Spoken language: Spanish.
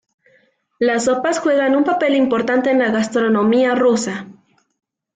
Las sopas juegan un papel importante en la gastronomía rusa.